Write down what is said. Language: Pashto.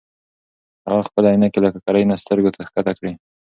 هغه خپلې عینکې له ککرۍ نه سترګو ته ښکته کړې.